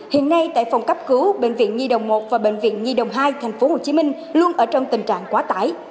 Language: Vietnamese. hiện nay tại phòng cấp cứu bệnh viện nhi đồng một và bệnh viện nhi đồng hai tp hcm luôn ở trong tình trạng quá tải